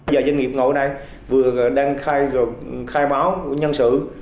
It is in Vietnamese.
giờ doanh nghiệp ngồi ở đây vừa đang khai báo nhân sự